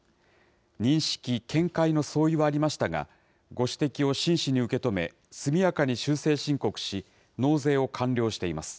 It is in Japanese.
認識、見解の相違はありましたが、ご指摘を真摯に受け止め、速やかに修正申告し、納税を完了しています。